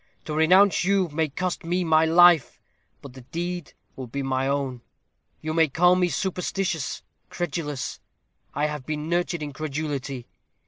To renounce you may cost me my life; but the deed will be my own. You may call me superstitious, credulous: I have been nurtured in credulity.